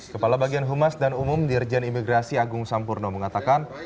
kepala bagian humas dan umum dirjen imigrasi agung sampurno mengatakan